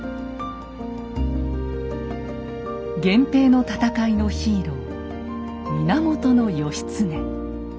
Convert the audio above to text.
源平の戦いのヒーロー源義経。